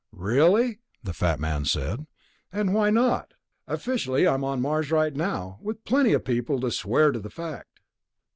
"Really?" the fat man said. "And why not? Officially I'm on Mars right now, with plenty of people to swear to the fact."